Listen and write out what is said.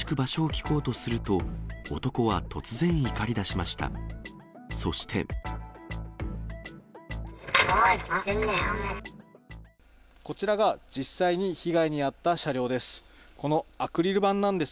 こちらが実際に被害に遭った車両です。